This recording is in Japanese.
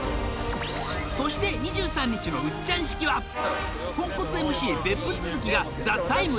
そして２３日の「ウッチャン式」はポンコツＭＣ別府都築が「ＴＨＥＴＩＭＥ，」